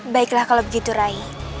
baiklah kalau begitu rai